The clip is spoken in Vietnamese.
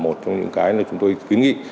một trong những cái là chúng tôi kiến nghị